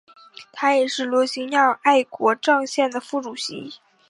他也是罗兴亚爱国障线的副主席。